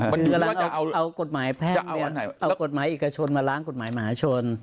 คือกำลังเอากฎหมายแพทย์เอากฎหมายอิกชนมาล้างกฎหมายมหาชน